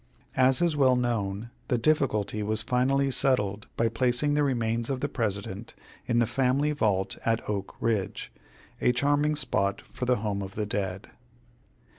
As is well known, the difficulty was finally settled by placing the remains of the President in the family vault at Oak Ridge, a charming spot for the home of the dead.